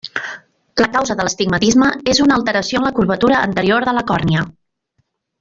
La causa de l'astigmatisme és una alteració en la curvatura anterior de la còrnia.